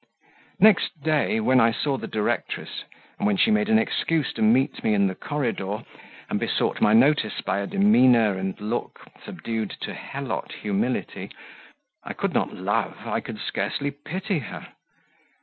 Next day, when I saw the directress, and when she made an excuse to meet me in the corridor, and besought my notice by a demeanour and look subdued to Helot humility, I could not love, I could scarcely pity her.